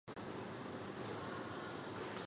烧猪以肋骨部最为肥美可口。